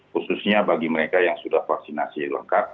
khususnya bagi mereka yang sudah vaksinasi lengkap